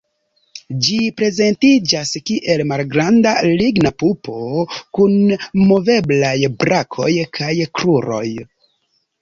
Ĝi prezentiĝas kiel malgranda ligna pupo kun moveblaj brakoj kaj kruroj.